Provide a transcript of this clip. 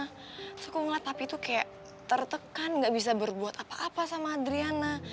terus aku ngeliat papi tuh kayak tertekan nggak bisa berbuat apa apa sama adriana